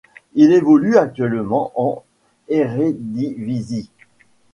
Il évolue actuellement en Eredivisie.